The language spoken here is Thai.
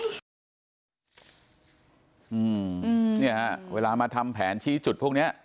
อืมเนี่ยฮะเวลามาทำแผนชี้จุดพวกเนี้ย